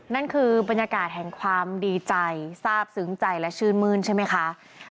นั่นคือบรรยากาศแห่งความดีใจทราบซึ้งใจและชื่นมื้นใช่ไหมคะ